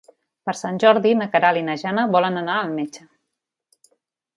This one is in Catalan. Per Sant Jordi na Queralt i na Jana volen anar al metge.